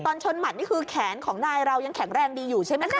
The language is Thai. ตอนชนหมัดนี่คือแขนของนายเรายังแข็งแรงดีอยู่ใช่ไหมคะ